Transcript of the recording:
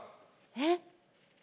えっ。